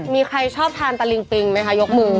มีใครชอบทานตะลิงปิงไหมคะยกมือ